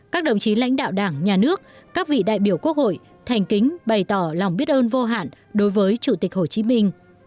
các đồng chí lãnh đạo đảng nhà nước các vị đại biểu quốc hội thành kính bày tỏ lòng biết ơn vô hạn đối với chủ tịch hồ chí minh